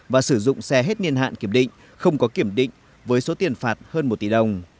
và sử dụng xe hết niên hạn kiểm định không có kiểm định với số tiền phạt hơn một tỷ đồng